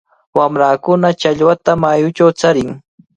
Wamrakuna challwata mayuchaw charin.